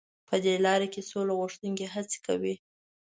په دې لاره کې سوله غوښتونکي هڅې کوي.